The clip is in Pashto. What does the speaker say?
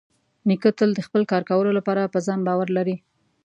نیکه تل د خپل کار کولو لپاره په ځان باور لري.